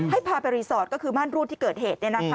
พาไปรีสอร์ทก็คือม่านรูดที่เกิดเหตุ